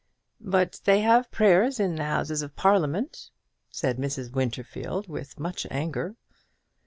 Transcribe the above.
"But they have prayers in the Houses of Parliament," said Mrs. Winterfield, with much anger.